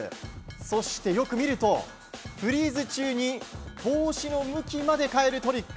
そして、よく見るとフリーズ中に帽子の向きまで変えるトリック。